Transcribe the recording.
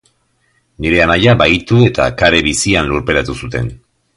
Nire anaia bahitu eta kare bizian lurperatu zuten.